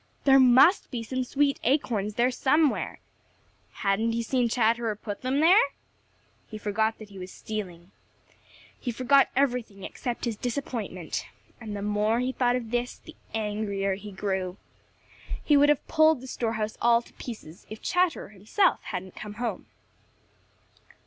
There must be some sweet acorns there somewhere! Hadn't he seen Chatterer put them there? He forgot that he was stealing. He forgot everything except his disappointment, and the more he thought of this, the angrier he grew. He would have pulled the store house all to pieces, if Chatterer himself hadn't come home.